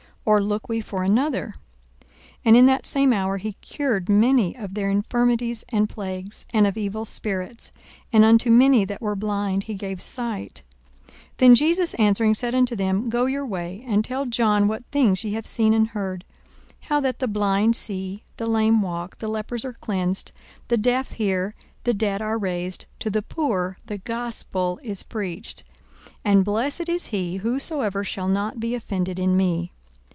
or look we for another? 42:007:021 And in that same hour he cured many of their infirmities and plagues, and of evil spirits; and unto many that were blind he gave sight. 42:007:022 Then Jesus answering said unto them, Go your way, and tell John what things ye have seen and heard; how that the blind see, the lame walk, the lepers are cleansed, the deaf hear, the dead are raised, to the poor the gospel is preached. 42:007:023 And blessed is he, whosoever shall not be offended in me.